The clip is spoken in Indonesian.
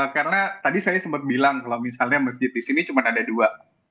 karena tadi saya sempat bilang kalau misalnya masjid disini cuma ada dua